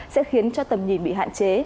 sẽ khiến cho tầm nhìn bị hạn chế